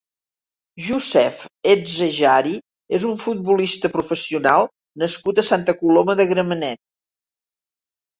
Youssef Ezzejjari és un futbolista professional nascut a Santa Coloma de Gramenet.